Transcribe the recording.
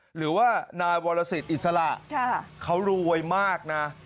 หรือว่านายวรสิทธิอิสระเขารวยมากนะ